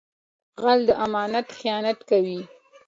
غل د امانت خیانت کوي